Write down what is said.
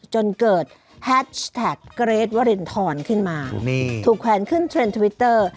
จนเกิดแฮชแท็กเกรทวรินทรขึ้นมานี่ถูกแขวนขึ้นเทรนด์ทวิตเตอร์